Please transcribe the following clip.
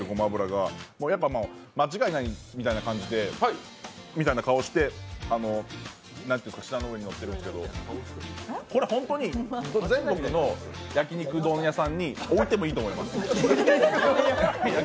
間違いないみたいな感じでみたいな顔をしてなんていうんですか、舌の上に乗ってるんですけどこれ、ホントに全国の焼き肉丼屋さんに置いてもいいと思います。